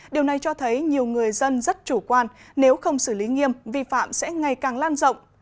điều này cho thấy nhiều người dân rất chủ quan nếu không xử lý nghiêm vi phạm sẽ ngày càng lan rộng